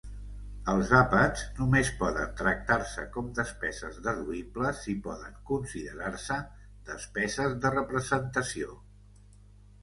Els àpats només poden tractar-se com despeses deduïbles si poden considerar-se despeses de representació.